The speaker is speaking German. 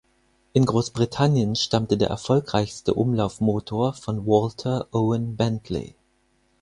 In Großbritannien stammte der erfolgreichste Umlaufmotor von Walter Owen Bentley.